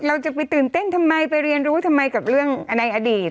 เราจะไปตื่นเต้นทำไมไปเรียนรู้ทำไมกับเรื่องในอดีต